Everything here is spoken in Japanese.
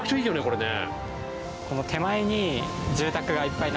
これね。